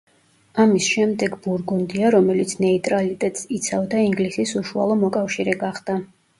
ამის შემდეგ ბურგუნდია, რომელიც ნეიტრალიტეტს იცავდა, ინგლისის უშუალო მოკავშირე გახდა.